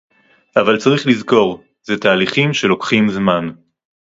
אבל צריך לזכור: זה תהליכים שלוקחים זמן